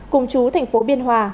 cùng chú thành phố biên hòa